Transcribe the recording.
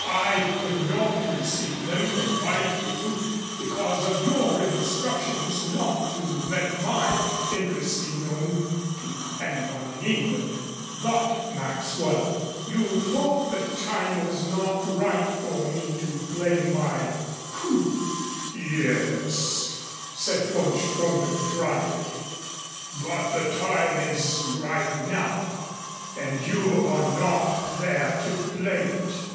I could not receive them from Byfield because of your instructions not to let my interests be known to anyone in England but Maxwell you thought the time was not ripe for me to play my coup." "Yes," said von Stromberg dryly, "but the time is ripe now and you are not there to play it."